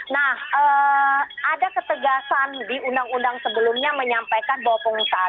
nah ada ketegasan di undang undang sebelumnya menyampaikan bahwa pengusaha